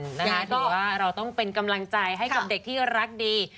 แต่ว่าเราต้องเป็นกำลังใจให้กับเด็กที่รักดี